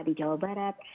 di jawa barat